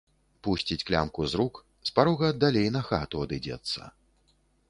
Пусціць клямку з рук, з парога далей на хату адыдзецца.